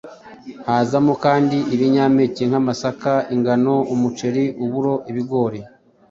Hazamo kandi ibinyampeke nk’amasaka, ingano, umuceri, uburo, ibigori.